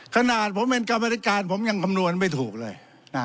ขนาดผมเป็นกรรมธิการผมยังคำนวณไม่ถูกเลย